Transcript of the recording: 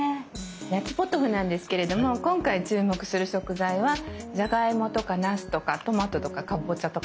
「夏ポトフ」なんですけれども今回注目する食材はじゃがいもとかナスとかトマトとかかぼちゃとか。